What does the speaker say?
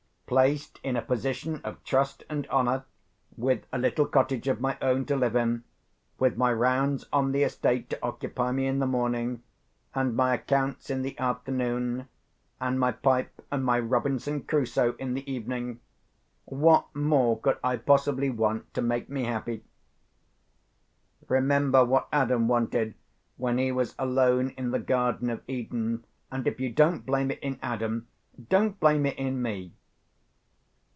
Placed in a position of trust and honour, with a little cottage of my own to live in, with my rounds on the estate to occupy me in the morning, and my accounts in the afternoon, and my pipe and my Robinson Crusoe in the evening—what more could I possibly want to make me happy? Remember what Adam wanted when he was alone in the Garden of Eden; and if you don't blame it in Adam, don't blame it in me.